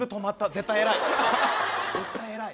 絶対偉い。